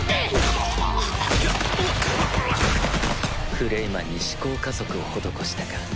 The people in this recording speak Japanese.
クレイマンに思考加速を施したか。